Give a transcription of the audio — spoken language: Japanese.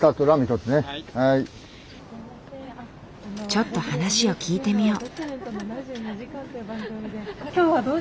ちょっと話を聞いてみよう。